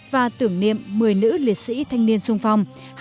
và tưởng niệm một mươi nữ liệt sĩ thanh niên sung phong